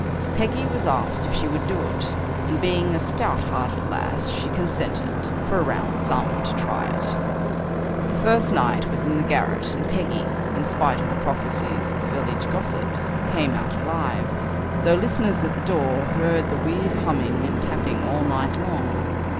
Peggy was asked if she would do it, and being a stouthearted lass she consented, for a round sum, to try it. The first night was in the garret, and Peggy, in spite of the prophecies of the village gossips, came out alive, though listeners at the door heard the weird humming and tapping all night long.